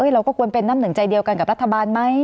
เราก็ควรเป็นน้ำหนึ่งใจเดียวกันกับรัฐบาลไหม